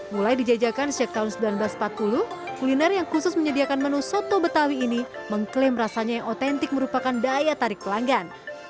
mulai dijajakan sejak tahun seribu sembilan ratus empat puluh kuliner yang khusus menyediakan menu soto betawi ini mengklaim rasanya yang otentik merupakan daya tarik pelanggan